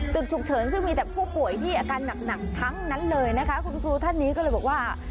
ตึกฉุกเฉินซึ่งมีแต่ผู้ป่วยที่อาการหนักทั้งนั้นเลยนะคะคุณครูท่านนี้ก็เลยบอกว่า